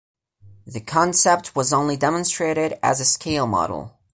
The concept was only demonstrated as a scale model.